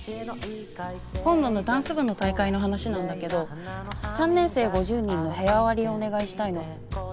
今度のダンス部の大会の話なんだけど３年生５０人の部屋割りをお願いしたいの。